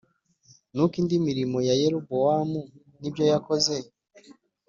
Nuko indi mirimo ya yerobowamu n ibyo yakoze